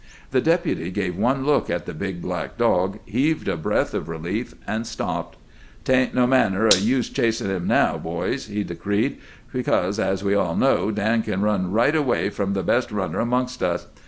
The Deputy gave one look at the big black dog, heaved a breath of relief, and stopped. "'Tain't no manner o' use chasin' him now, boys," he decreed, "because, as we all know, Dan kin run right away from the best runner amongst us.